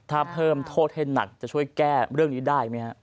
ถ้าเพิ่มโทษให้หนักจะช่วยแก้เรื่องนี้ได้ไหมฮะ